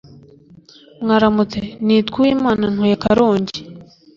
Mwaramutse nitwa uwimana ntuye karongi